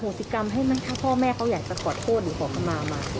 สิกรรมให้มันถ้าพ่อแม่เขาอยากจะขอโทษหรือขอขมามา